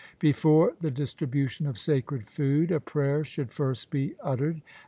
Before the distribution of sacred food a prayer should first be uttered.